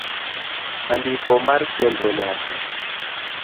Andiko mar chenro nyasi: